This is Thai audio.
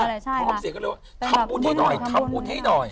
พร้อมเสียงก็เลยว่าทำบุญให้หน่อยทำบุญให้หน่อย